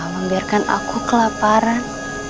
membiarkan aku kelaparan